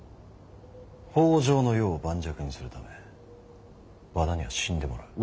北条の世を盤石にするため和田には死んでもらう。